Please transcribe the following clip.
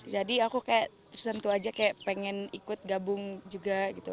jadi aku kayak tersentuh aja kayak pengen ikut gabung juga gitu